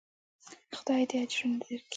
خداى دې اجرونه درکي.